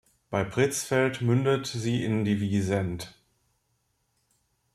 Bei Pretzfeld mündet sie in die Wiesent.